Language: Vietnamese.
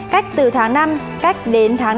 cách từ tháng năm cách đến tháng năm